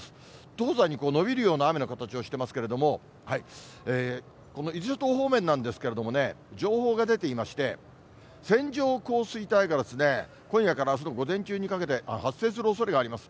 東西に延びるような雨の形をしていますけれども、この伊豆諸島方面なんですけれどもね、情報が出ていまして、線状降水帯が今夜からあすの午前中にかけて、発生するおそれがあります。